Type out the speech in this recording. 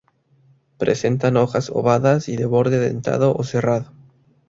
Presentan hojas ovadas y de borde dentado o serrado.